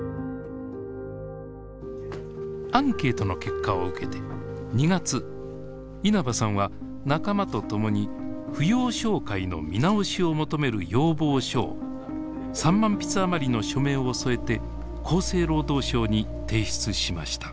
アンケートの結果を受けて２月稲葉さんは仲間と共に扶養照会の見直しを求める要望書を３万筆あまりの署名を添えて厚生労働省に提出しました。